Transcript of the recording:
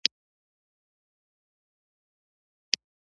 علت پوښتنه وکړه.